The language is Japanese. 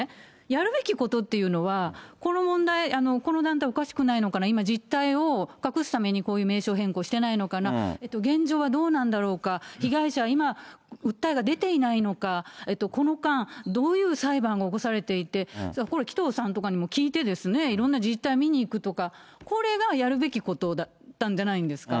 やるべきことっていうのは、この問題、この団体おかしくないのかな、今、実態を隠すためにこういう名称変更してないのかな、現状はどうなんだろうか、被害者は今、訴えが出ていないのか、この間、どういう裁判が起こされていて、これ、紀藤さんとかにも聞いていろんな実態、見に行くとか、これがやるべきことだったんじゃないですか。